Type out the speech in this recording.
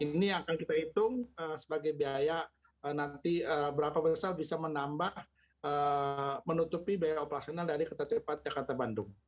ini akan kita hitung sebagai biaya nanti berapa besar bisa menambah menutupi biaya operasional dari kereta cepat jakarta bandung